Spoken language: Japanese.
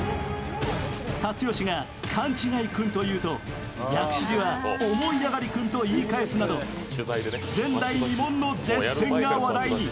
辰吉が勘違い君と言うと薬師寺は思い上がり君と言い返すなど、前代未聞の舌戦が話題に。